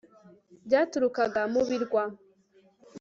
byaturukaga mu birwa